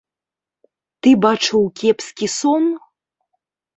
Ты бачыў кепскі сон?